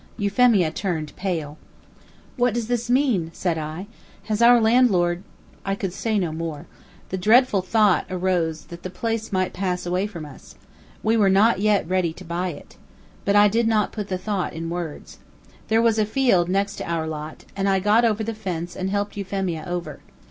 Euphemia turned pale. "What does this mean?" said I. "Has our landlord " I could say no more. The dreadful thought arose that the place might pass away from us. We were not yet ready to buy it. But I did not put the thought in words. There was a field next to our lot, and I got over the fence and helped Euphemia over.